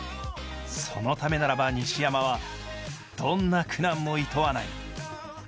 そのためならば西山はどんな苦難もいとわない。